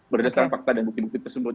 berdasarkan fakta dan bukti bukti tersebut